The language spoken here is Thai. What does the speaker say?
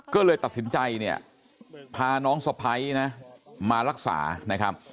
ก็เลยตัดสินใจเนี่ยพาน้องสะพ้ายนะมารักษานะครับ